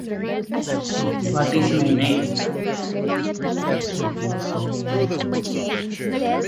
The railroad followed Lycoming Creek.